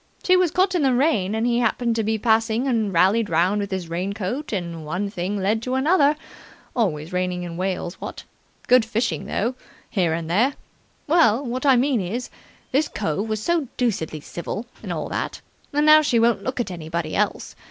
She was caught in the rain, and he happened to be passing and rallied round with his rain coat, and one thing led to another. Always raining in Wales, what! Good fishing, though, here and there. Well, what I mean is, this cove was so deucedly civil, and all that, that now she won't look at anybody else.